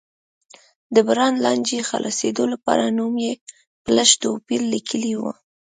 د برانډ له لانجې خلاصېدو لپاره نوم یې په لږ توپیر لیکلی و.